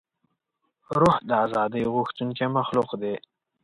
روح د ازادۍ غوښتونکی مخلوق دی.